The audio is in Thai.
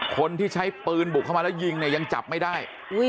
คนที่ใช้ปืนบุกเข้ามาแล้วยิงเนี่ยยังจับไม่ได้